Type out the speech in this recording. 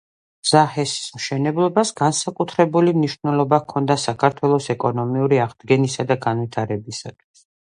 ზაჰესის მშენებლობას განსაკუთრებული მნიშვნელობა ჰქონდა საქართველოს ეკონომიკური აღდგენისა და განვითარებისათვის.